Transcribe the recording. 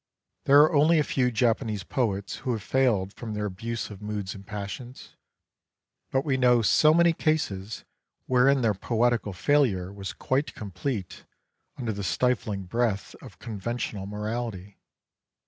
There are only a few Japanese poets who have failed from their abuse of moods and passions ; but we know so many cases wherein their poetical failure was quite complete under the stifling breath of conventional morality.